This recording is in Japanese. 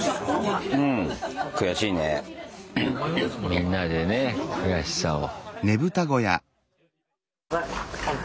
みんなでね悔しさを。